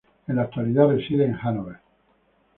En la actualidad reside en Hanóver.